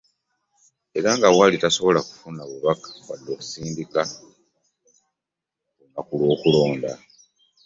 Era nga wali tosobola kufuna bubaka wadde okubusindika ku lunaku lw'okulonda.